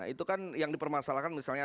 itu kan yang dipermasalahkan misalnya